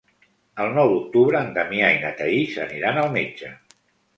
El nou d'octubre en Damià i na Thaís aniran al metge.